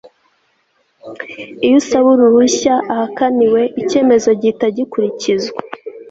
iyo usaba uruhushya ahakaniwe icyemezo gihita gikurikizwa